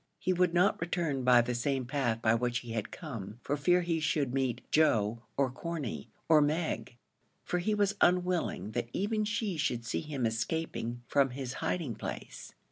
He would not return by the same path by which he had come for fear he should meet Joe or Corney, or Meg for he was unwilling that even she should see him escaping from his hiding place.